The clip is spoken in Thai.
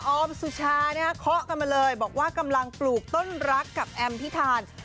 อมสุชานะฮะเคาะกันมาเลยบอกว่ากำลังปลูกต้นรักกับแอมพิธาน